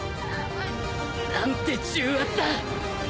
なんて重圧だ！